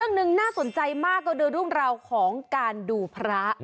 ภารกิจเรื่องหนึ่งน่าสนใจมากก็โดยล่วงราวของการดูพระ